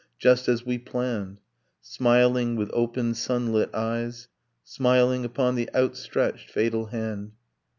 Just as we planned. Smiling, with open sunlit eyes. Smiling upon the outstretched fatal hand